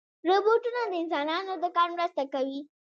روبوټونه د انسانانو د کار مرسته کوي.